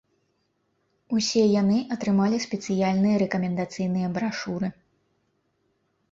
Усе яны атрымалі спецыяльныя рэкамендацыйныя брашуры.